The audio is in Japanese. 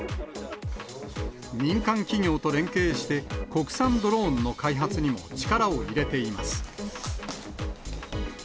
民間企業と連携して、国産ドローンの開発にも力を入れています。